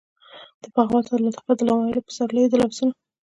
د بغاوت او لطافت د ناویلو پسرلیو د لفظونو،